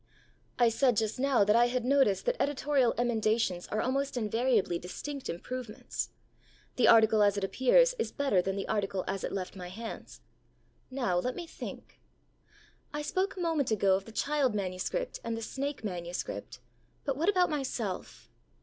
I said just now that I had noticed that editorial emendations are almost invariably distinct improvements. The article as it appears is better than the article as it left my hands. Now let me think. I spoke a moment ago of the child manuscript and the snake manuscript; but what about myself?